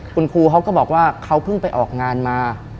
คุณครูเขาก็บอกว่าเขาเพิ่งไปออกงานมา